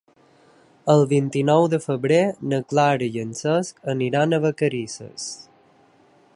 El vint-i-nou de febrer na Clara i en Cesc aniran a Vacarisses.